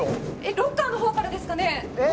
ロッカーの方からですかね。